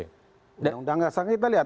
undang undang dasar kita lihat